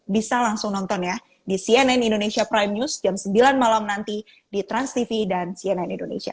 bisa langsung nonton ya di cnn indonesia prime news jam sembilan malam nanti di transtv dan cnn indonesia